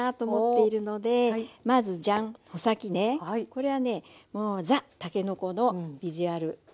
これはねもうザ・たけのこのビジュアルね。